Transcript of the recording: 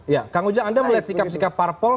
ya kang ujang anda melihat sikap sikap parpol